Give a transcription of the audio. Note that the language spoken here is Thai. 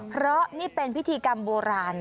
เพราะนี่เป็นพิธีกรรมโบราณ